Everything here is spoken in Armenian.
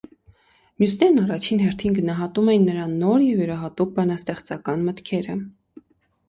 Մյուսներն առաջին հերթին գնահատում էին նրա նոր և յուրահատուկ բանաստեղծական մտքերը։